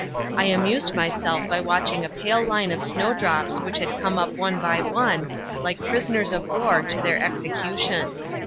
I amused myself by watching a pale line of snowdrops which had come up one by one, like prisoners of war to their execution.